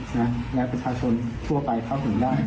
ประสอบการค้าหรือกับวัตถุหรือของลามงค์